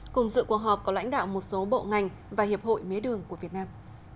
cùng dự cuộc họp có lãnh đạo một số bộ ngành và hiệp hội mía đường của việt nam